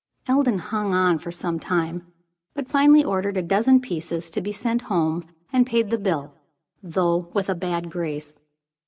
Eldon hung on for some time, but finally ordered a dozen pieces to be sent home, and paid the bill, though with a bad grace.